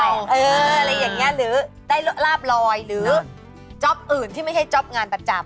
อะไรอย่างนี้หรือได้ลาบลอยหรือจ๊อปอื่นที่ไม่ใช่จ๊อปงานประจำ